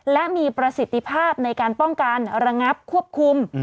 และมีประสิทธิภาพในการป้องกันระงับควบคุม